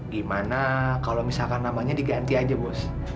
gimana kalau misalkan namanya diganti aja bos